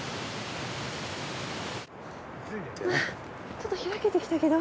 ちょっと開けてきたけど。